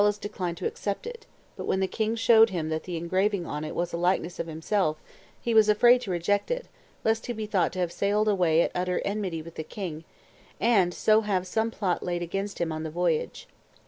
1 5 declined to accept it, but when the king showed him that the engraving on it was a likeness of him self, he was afraid to reject it, lest he be thought to have sailed away at utter enmity with the king, and so have some plot laid against him on the voyage.